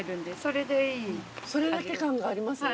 それだけ感がありますね。